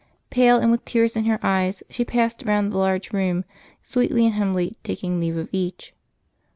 Pale, and with tears in her eyes, she passed round the large room, sweetly and humbly taking leave of each.